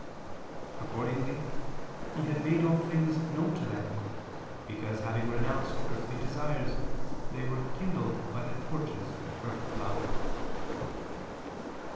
Accordingly He had made all things known to them, because having renounced earthly desires they were kindled by the torches of perfect love."